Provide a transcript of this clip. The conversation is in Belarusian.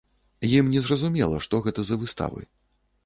Ім незразумела, што гэта за выставы.